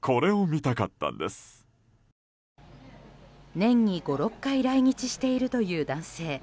年に５６回来日しているという男性。